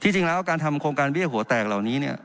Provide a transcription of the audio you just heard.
จริงแล้วการทำโครงการเบี้ยหัวแตกเหล่านี้เนี่ย